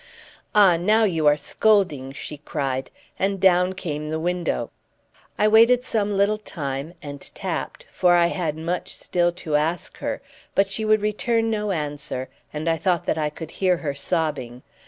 "Ah, now you are scolding!" she cried, and down came the window. I waited some little time, and tapped, for I had much still to ask her; but she would return no answer, and I thought that I could hear her sobbing.